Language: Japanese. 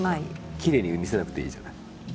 きれいに見せなくていいじゃない。